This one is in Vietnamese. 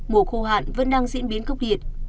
mùa khô hạn vẫn đang diễn biến khốc điệt